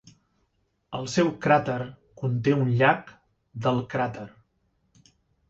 El seu cràter conté un llac del cràter.